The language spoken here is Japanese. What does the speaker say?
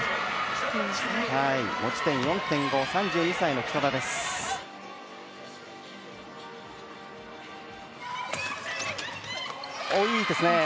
持ち点４．５３２歳の北田です。